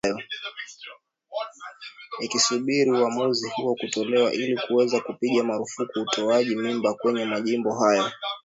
yakisubiri uwamuzi huo kutolewa ili kuweza kupiga marufuku utoawaji mimba kwenye majimbo hayo